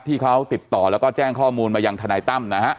ที่เขาติดต่อแล้วก็แจ้งข้อมูลมายังทนายตั้มนะฮะ